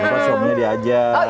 lupa suaminya diajak